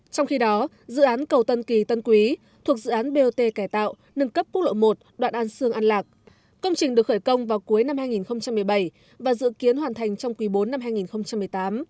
trong khi đó dự án cầu tân kỳ tân quý thuộc dự án bot cải tạo nâng cấp quốc lộ một đoạn an sương an lạc công trình được khởi công vào cuối năm hai nghìn một mươi bảy và dự kiến hoàn thành trong quý bốn năm hai nghìn một mươi tám